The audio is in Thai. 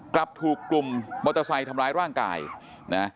กลับถูกกลุ่มมอเตอร์ไซค์ทำร้ายร่างกายนะ